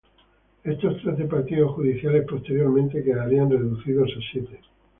Estos trece partidos judiciales posteriormente quedarían reducidos a siete.